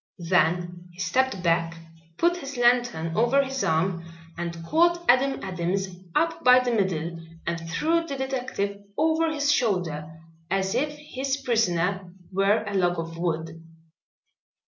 Then he stepped back, put his lantern over his arm and caught Adam Adams up by the middle and threw the detective over his shoulder as if his prisoner were a log of wood.